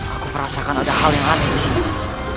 aku merasakan ada hal yang ada disini